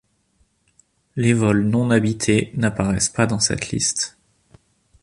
Les vols non habités n'apparaissent pas dans cette liste.